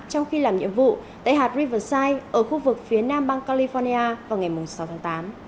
trong khi làm nhiệm vụ tại hạt riverside ở khu vực phía nam bang california vào ngày sáu tháng tám